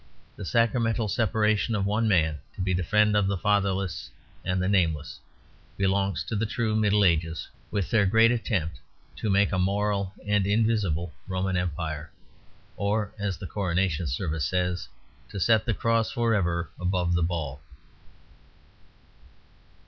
The sacramental separation of one man to be the friend of the fatherless and the nameless belongs to the true Middle Ages; with their great attempt to make a moral and invisible Roman Empire; or (as the Coronation Service says) to set the cross for ever above the ball.